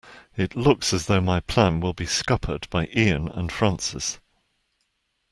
It looks as though my plan will be scuppered by Ian and Francis.